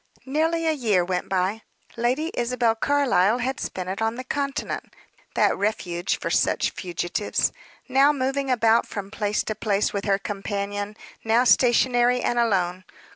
Nearly a year went by. Lady Isabel Carlyle had spent it on the continent that refuge for such fugitives now moving about from place to place with her companion, now stationary and alone.